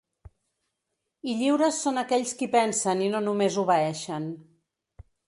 I lliures són aquells qui pensen i no només obeeixen.